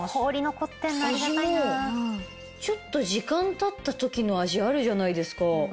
味もちょっと時間経った時の味あるじゃないですか。